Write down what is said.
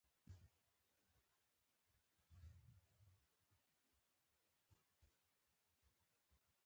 آیا دا ژباړه به زموږ ستونزې حل کړي؟